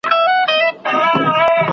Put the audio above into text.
کله به ټول خلګ له خپلو حقونو برخمن سي؟